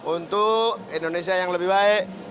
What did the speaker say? untuk indonesia yang lebih baik